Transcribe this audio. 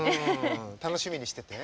楽しみにしててね。